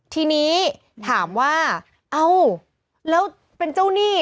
ทีนี้ถามว่าเอ้าแล้วเป็นเจ้าหนี้